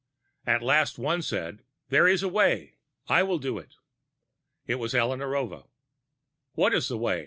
At last, one said: "There is a way. I will do it." It was Alla Narova. "What is the way?"